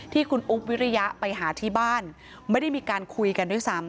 ที่คุณอุ๊บวิริยะไปหาที่บ้านไม่ได้มีการคุยกันด้วยซ้ำ